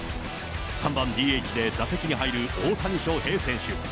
３番ＤＨで打席に入る大谷翔平選手。